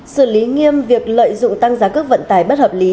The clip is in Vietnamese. xử lý nghiêm việc lợi dụng tăng giá cước vận tải bất hợp lý